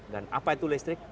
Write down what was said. dan apa itu listrik